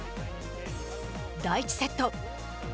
第１セット。